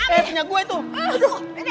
eh punya gua itu ambilin ambilin